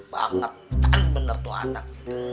paham bener tuh anak